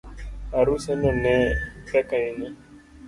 Aruseno ne pek ahinya